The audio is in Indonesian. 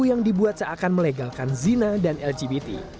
yang dibuat seakan melegalkan zina dan lgbt